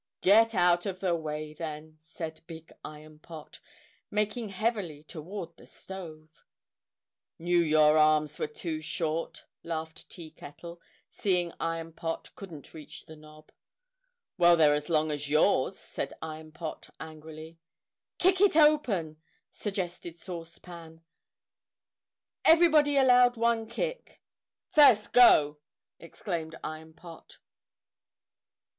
"Get out of the way, then," said Big Iron Pot, making heavily toward the stove. "Knew your arms were too short," laughed Tea Kettle, seeing Iron Pot couldn't reach the knob. "Well, they're as long as yours," said Iron Pot angrily. "Kick it open!" sug gest ed Sauce Pan. "Everybody allowed one kick!" "First go!" exclaimed Iron Pot.